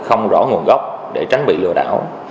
không rõ nguồn gốc để tránh bị lừa đảo